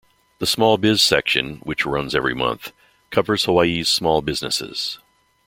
The SmallBiz section, which runs every month, covers Hawaii's small businesses.